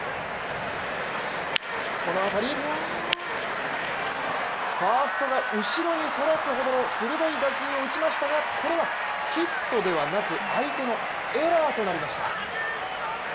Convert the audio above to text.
この当たり、ファーストが後ろにそらすほどの鋭い打球を打ちましたがこれはヒットではなく相手のエラーとなりました。